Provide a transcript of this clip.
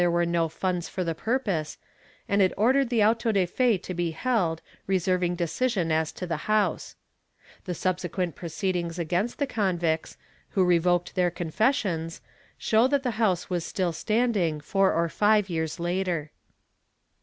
Ill 9 130 MINOR PENALTIES [Book VII no funds for the purpose, and it ordered the auto de f e to be held, reserving decision as to the house/ The subsequent proceedings against the convicts, who revoked their confessions, show that the house was still standing four or five years later.